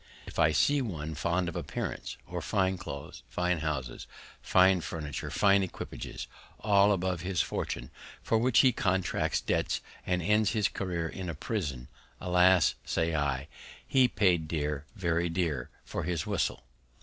If I see one fond of appearance, or fine clothes, fine houses, fine furniture, fine equipages, all above his fortune, for which he contracts debts, and ends his career in a prison, Alas! say I, he has paid dear, very dear, for his whistle.